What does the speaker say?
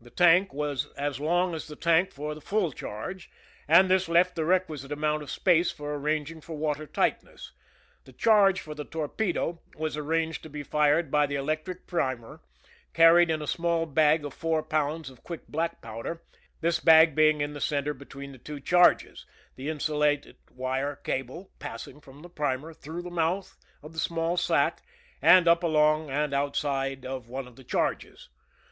The tank was as long as the tank for the full charge, and this left the requisite amount of space for ar ranging for water tightness. The charge for the torpedo was arranged to be fired by the electric primer, carried in a small bag of four pounds of quick black powder, this bag being in the center between the two charges, as indicated in the sketch, the insulated wire cable passing from the primer through the mouth of the small sack, and up along and outside of one of the charges.